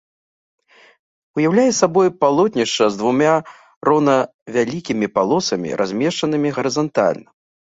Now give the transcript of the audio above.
Уяўляе сабой палотнішча з двума роўнавялікімі палосамі, размешчанымі гарызантальна.